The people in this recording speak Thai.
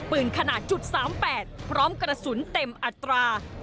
ปืนขนาด๓๘พร้อมกระสุนเต็มอัตรา